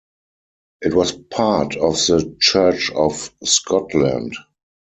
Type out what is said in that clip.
It was part of the Church of Scotland.